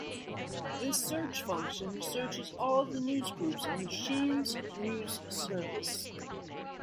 This search function searches all of the newsgroups on the Shemes news service.